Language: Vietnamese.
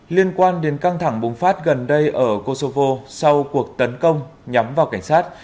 liên quan đến căng thẳng bùng phát gần đây ở kosovo sau cuộc tấn công nhắm vào cảnh sát